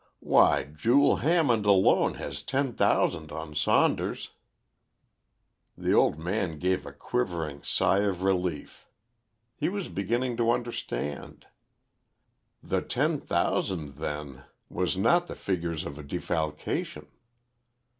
Why, Jule Hammond alone has ten thousand on Saunders." The old man gave a quivering sigh of relief. He was beginning to understand. The ten thousand, then, was not the figures of a defalcation.